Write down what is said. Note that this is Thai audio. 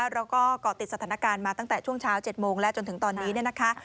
แล้วก็ก่อติดสถานการณ์มาตั้งแต่ช่วงเช้า๗โมงและจนถึงตอนนี้นะคะ